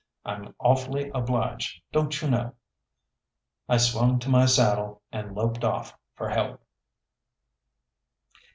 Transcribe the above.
"I'm awfully obliged, don't you know." I swung to my saddle and loped off for help.